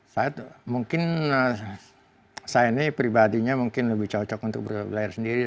saya mungkin saya ini pribadinya mungkin lebih cocok untuk berlayar sendiri